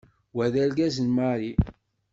Wa d argaz n Mary.